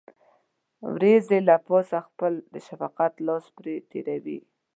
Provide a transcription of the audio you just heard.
وريځې له پاسه خپل د شفقت لاس پرې تېروي.